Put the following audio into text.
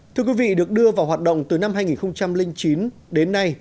thưa quý vị được đưa vào hoạt động từ năm hai nghìn chín đến nay